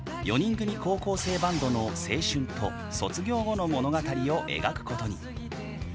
４人組高校生バンドの青春と卒業後の物語を描くことに。